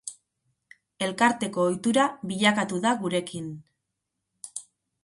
Elkarteko ohitura bilakatu da gurekin.